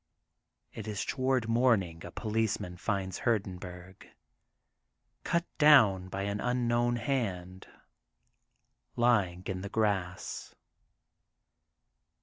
It is toward morning a police man finds Hurdenburg, cut down by an un known Hand, lying in the grass.